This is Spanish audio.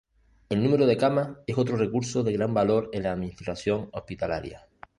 El número de camas es otro recurso de gran valor en la administración hospitalaria.